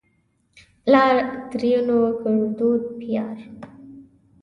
پلار؛ ترينو ګړدود پيار